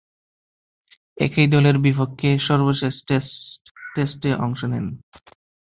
একই দলের বিপক্ষে সর্বশেষ টেস্টে অংশ নেন।